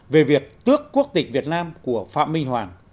về việc tước quốc tịch việt nam của phạm minh hoàng